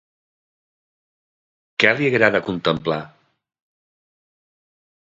Què li agrada contemplar?